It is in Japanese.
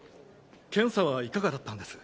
検査はいかがだったんです？